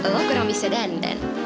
lo kurang bisa dandan